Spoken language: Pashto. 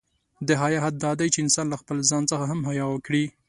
د حیا حد دا دی، چې انسان له خپله ځان څخه هم حیا وکړي.